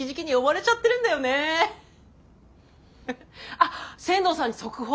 あっ千堂さんに速報。